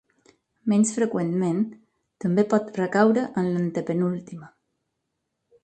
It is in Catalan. Menys freqüentment, també pot recaure en l'antepenúltima.